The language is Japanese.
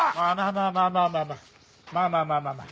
まあまあまあまあまあまあまあまあ。